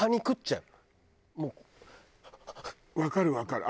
わかるわかる。